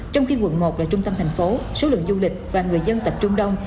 trong khi quận một là trung tâm thành phố số lượng du lịch và người dân tập trung đông